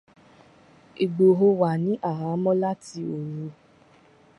Ìgbòho wà ní àhámọ̀ láti òru.